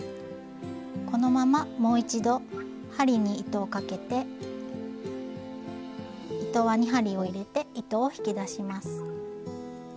このままもう一度針に糸をかけて糸輪に針を入れて糸を引き出します。